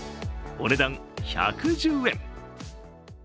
お値段１１０円。